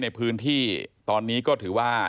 ในพื้นที่ตอนนี้ก็ถือว่า